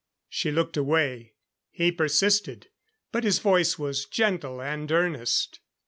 She looked away. He persisted; but his voice was gentle and earnest.